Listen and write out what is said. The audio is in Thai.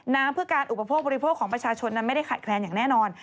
น้ำเพื่อการอุปโภคบริโภคของประชาชนนั้นไม่ได้ขาดแคลนอย่างแน่นอน